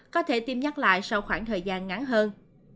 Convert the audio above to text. có thể tiêm nhắc lại sau khoảng thời gian ngắn hơn